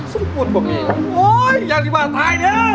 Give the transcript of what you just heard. ต้องคุ้นกว่ากี่โว้ยยันติว่าตายเนี่ย